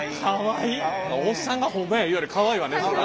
おっさんが「ホンマや」言うよりかわいいわねそら。